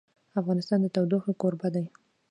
افغانستان د تودوخه کوربه دی.